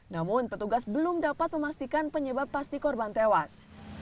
namun petugas belum dapat memastikan penyebab pasti korban tewas